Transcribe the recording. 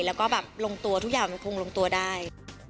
แล้วก็แบบลงตัวทุกอย่างมันคงลงตัวได้